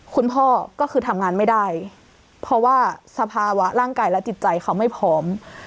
คุณพ่อก็คือทำงานไม่ได้เพราะว่าสภาวะร่างกายและจิตใจเขาไม่พร้อม